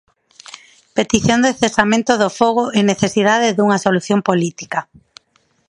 Petición de cesamento do fogo e necesidade dunha solución política.